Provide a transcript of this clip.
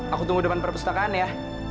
aku tunggu depan perpustakaan ya